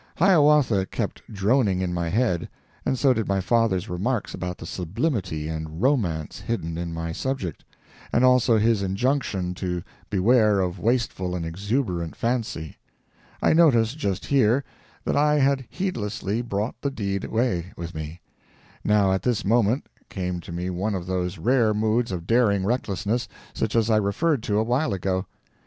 "Hiawatha" kept droning in my head and so did my father's remarks about the sublimity and romance hidden in my subject, and also his injunction to beware of wasteful and exuberant fancy. I noticed, just here, that I had heedlessly brought the deed away with me; now at this moment came to me one of those rare moods of daring recklessness, such as I referred to a while ago.